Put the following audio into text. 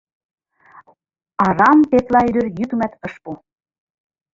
Арам, тетла ӱдыр йӱкымат ыш пу.